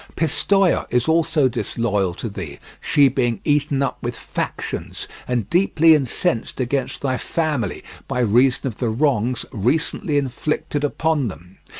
Pistoia is also disloyal to thee, she being eaten up with factions and deeply incensed against thy family by reason of the wrongs recently inflicted upon them.